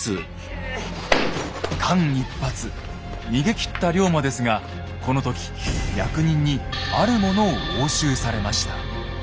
間一髪逃げ切った龍馬ですがこの時役人にあるものを押収されました。